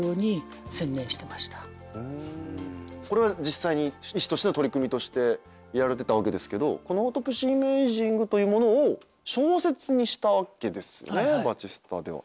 これは実際に医師としての取り組みとしてやられてたわけですけどこのオートプシー・イメージングというものを小説にしたわけですよね『バチスタ』では。